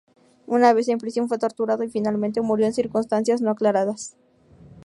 Una vez en prisión fue torturado y finalmente murió en circunstancias no aclaradas.